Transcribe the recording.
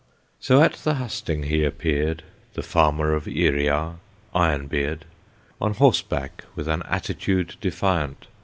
So at the Hus Ting he appeared, The farmer of Yriar, Iron Beard, On horseback, with an attitude defiant.